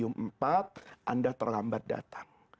kalau ada yang berusia kecil anda terlambat datang